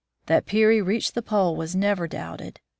That Peary reached the Pole was never doubted.